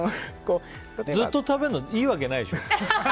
ずっと食べるのいいわけないでしょ。